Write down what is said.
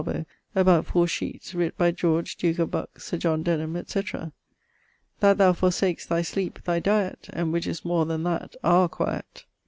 about 4 sheetes, writt by George, duke of Buckes, Sir John Denham, etc. 'That thou forsak'st thy sleepe, thy diet, And which is more then that, our quiet.'